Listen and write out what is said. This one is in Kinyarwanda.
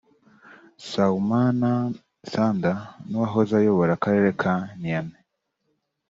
Soumana Sanda n’uwahoze ayobora Akarere ka Niamey